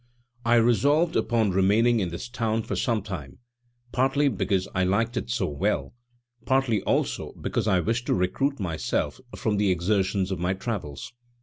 I resolved upon remaining in this town for some time, partly because I liked it so well, partly also because I wished to recruit myself from the exertions of my travels.